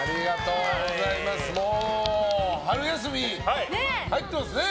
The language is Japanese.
もう春休み入ってますね。